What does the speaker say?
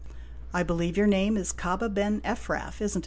I believe your name is Kaba ben Ephraf, is n't it